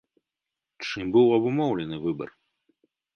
Чым быў абумоўлены выбар?